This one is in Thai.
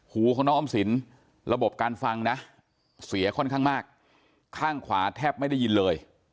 หูของน้องออมสินระบบการฟังนะเสียค่อนข้างมากข้างขวาแทบไม่ได้ยินเลย